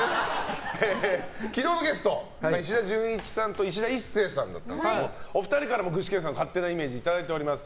昨日のゲストは石田純一さんといしだ壱成さんだったんですがお二人からも具志堅さんの勝手なイメージいただいております。